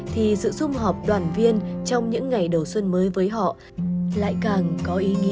thì sự dung họp đoàn viên trong những ngày đầu xuân mới với họ lại càng có ý nghĩa